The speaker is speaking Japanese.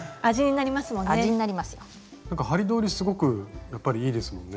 なんか針通りすごくやっぱりいいですもんね。